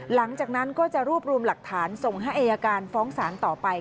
หลังจากนั้นก็จะรวบรวมหลักฐานส่งให้อายการฟ้องศาลต่อไป